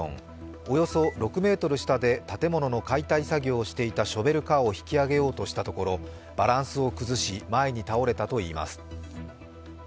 およそ６ｍ下で建物の解体作業をしていたショベルカーを引き上げようとしたところ、バランスを崩し前に倒れたといいます。